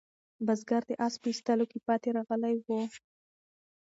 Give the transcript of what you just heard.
بزګر د آس په ایستلو کې پاتې راغلی و.